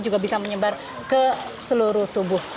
juga bisa menyebar ke seluruh tubuh